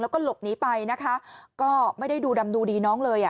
แล้วก็หลบหนีไปนะคะก็ไม่ได้ดูดำดูดีน้องเลยอ่ะ